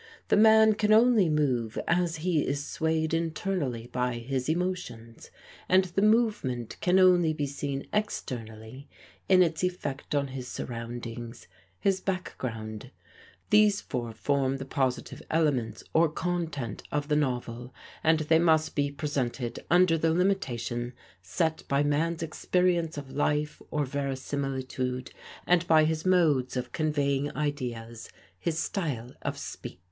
The man can only move as he is swayed internally by his emotions; and the movement can only be seen externally in its effect on his surroundings, his background. These four form the positive elements or content of the novel, and they must be presented under the limitations set by man's experience of life or verisimilitude, and by his modes of conveying ideas, his style of speech."